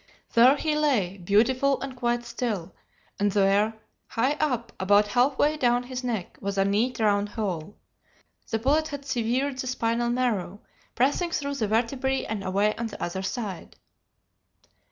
There he lay, beautiful and quite still; and there, high up, about half way down his neck, was a neat round hole. The bullet had severed the spinal marrow, passing through the vertebræ and away on the other side.